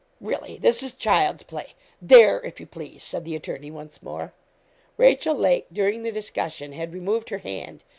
'Really, this is child's play; there, if you please,' said the attorney, once more. Rachel Lake, during the discussion, had removed her hand.